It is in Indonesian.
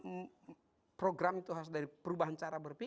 karena program itu harus dari perubahan cara berpikir